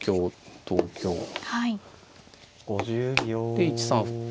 で１三歩。